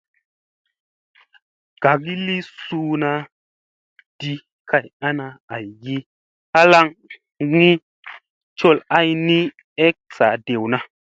Kaagi ii suuna di kay ana aygi halaŋgi col ay nii ek saa dewna.